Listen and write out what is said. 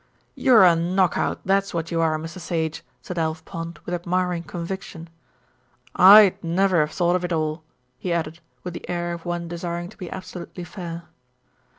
"You're a knock out, that's what you are, Mr. Sage," said Alf Pond, with admiring conviction. "I'd never have thought of it all," he added, with the air of one desiring to be absolutely fair.